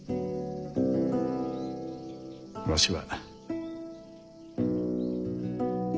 わしは。